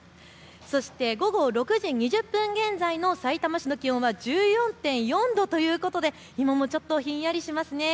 そして午後６時２０分現在のさいたま市の気温は１４．４度ということで今ちょっとひんやりしますね。